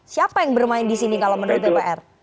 siapa yang bermain di sini kalau menurut dpr